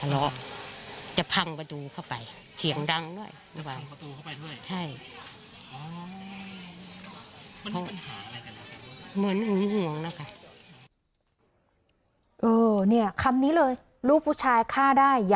แล้วยังไง